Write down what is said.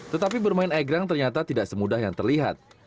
tetapi bermain egrang ternyata tidak semudah yang terlihat